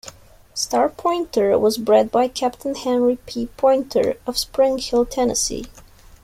Star Pointer was bred by Captain Henry P. Pointer of Spring Hill, Tennessee.